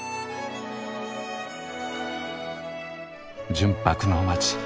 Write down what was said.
「純白の街」